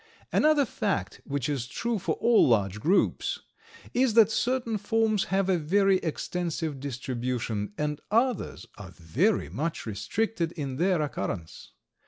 Another fact, which is true of all large groups, is that certain forms have a very extensive distribution, and others are very much restricted in their occurrence.